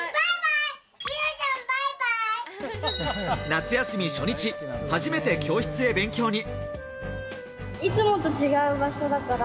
夏休み初日、初めて教室へ勉強に。